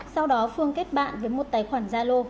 sau đó phương kết bạn với một tài khoản gia lô